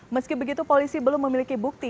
meski begitu polisi belum memiliki bukti